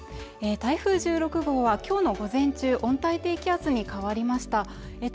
台風１６号はきょうの午前中温帯低気圧に変わりました